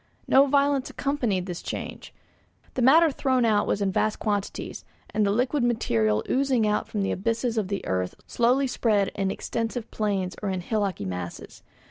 No violence accompanied this change; the matter thrown out was in vast quantities, and the liquid material oozing out from the abysses of the earth slowly spread in extensive plains or in hillocky masses.